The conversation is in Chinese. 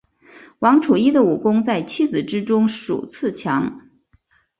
王处一的武功在七子之中数次强。